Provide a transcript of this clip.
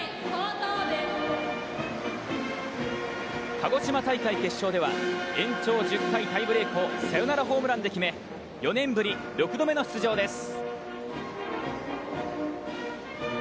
鹿児島大会決勝では延長１０回タイブレークをサヨナラホームランで決め、４年ぶり６度目の出場です。